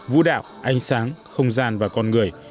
vũ đạo ánh sáng không gian và con người